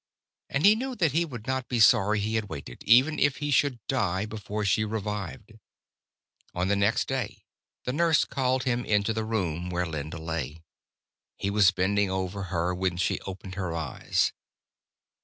And he knew that he would not be sorry he had waited, even if he should die before she revived. On the next day, the nurse called him into the room where Linda lay. He was bending over her when she opened her eyes.